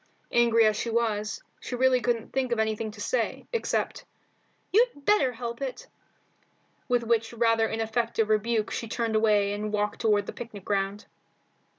Angry as she was, she really couldn't think of anything to say, except "You'd better help it," with which rather ineffective rebuke she turned away and walked toward the picnic ground.